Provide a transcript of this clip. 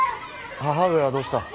母上はどうした？